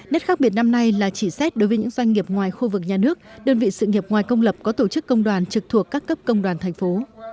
nét khác biệt năm nay là chỉ xét đối với những doanh nghiệp ngoài khu vực nhà nước đơn vị sự nghiệp ngoài công lập có tổ chức công đoàn trực thuộc các cấp công đoàn thành phố